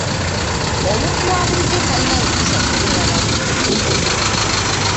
Omuntu wa bulijjo talina lukusa kubeera na mmundu.